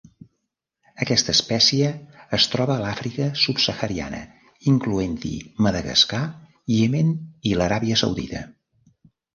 Aquesta espècie es troba a l'Àfrica subsahariana, incloent-hi Madagascar, Iemen i l'Aràbia Saudita.